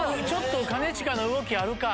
兼近の動きあるか。